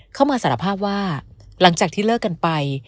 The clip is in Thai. เข้ามาสารภาพว่าหลังจากที่เลิกกันไป